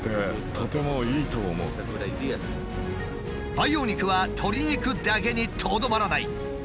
培養肉は鶏肉だけにとどまらない。